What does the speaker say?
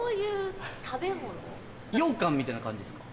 ようかんみたいな感じですか？